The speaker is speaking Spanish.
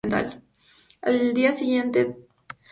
Al siguiente día, The Miz derrotó a The Big Show por Count Out.